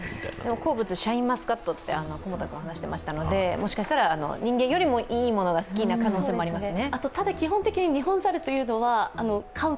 好物、シャインマスカットと話していましたのでもしかしたら人間よりもいいものが好きな可能性もありますね。